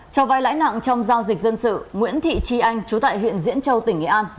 cho vai lãi nặng trong giao dịch dân sự nguyễn thị tri anh chú tại huyện diễn châu tỉnh nghệ an